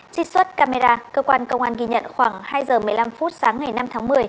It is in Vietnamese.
trích xuất camera cơ quan công an ghi nhận khoảng hai giờ một mươi năm phút sáng ngày năm tháng một mươi